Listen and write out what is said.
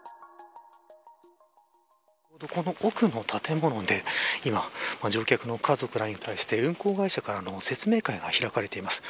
奥の建物で、今乗客の家族らに対して運航会社からの説明会が開かれています。